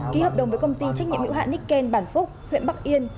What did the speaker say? ký hợp đồng với công ty trách nhiệm hữu hạn nikken bản phúc huyện bắc yên